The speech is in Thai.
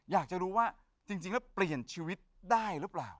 อยากจะรู้ว่าจริงแล้วเปลี่ยนชีวิตได้หรือเปล่า